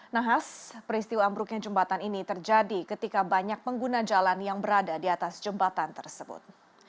nahas peristiwa ambruknya jembatan ini terjadi ketika banyak pengguna jalan yang berada di atas jembatan tersebut